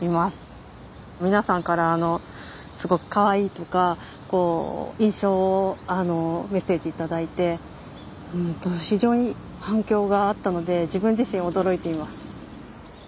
皆さんから「すごくかわいい」とか印象をメッセージ頂いて非常に反響があったので自分自身驚いています。